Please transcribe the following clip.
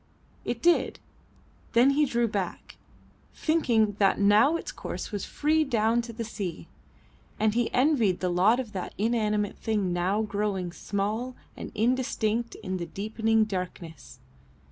It did; then he drew back, thinking that now its course was free down to the sea, and he envied the lot of that inanimate thing now growing small and indistinct in the deepening darkness.